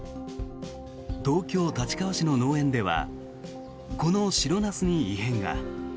東京・立川市の農園ではこの白ナスに異変が。